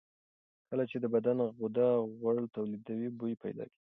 کله چې د بدن غده غوړ تولیدوي، بوی پیدا کېږي.